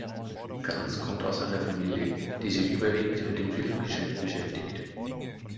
Ganz kommt aus einer Familie, die sich überwiegend mit dem Filmgeschäft beschäftigt.